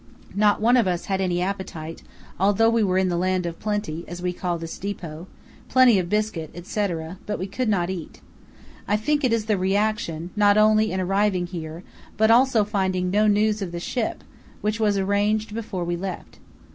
Not one of us had any appetite, although we were in the land of plenty, as we call this depot; plenty of biscuit, etc., but we could not eat. I think it is the reaction, not only in arriving here, but also finding no news of the ship, which was arranged before we left.